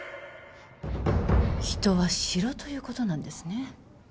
人は城ということなんですね